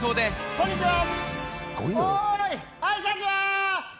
こんにちはー！